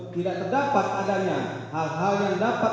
tidak terdapat adanya hal hal yang dapat